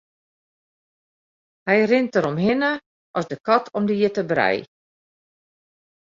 Hy rint deromhinne rinne as de kat om de hjitte brij.